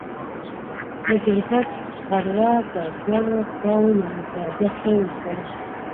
د گوربت غروه په دواړو خواوو يانې په جغتو ولسوالۍ